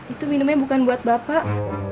itu minumnya bukan buat bapak